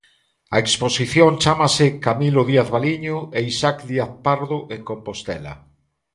A exposición chámase Camilo Díaz Baliño e Isaac Díaz Pardo en Compostela.